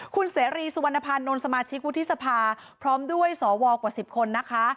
คุณเสรีสุวรรณภานนท์สมาชิกวุฒิสภาพร้อมด้วยสวกว่า๑๐คนนะคะ